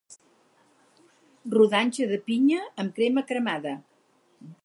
Rodanxa de pinya amb crema cremada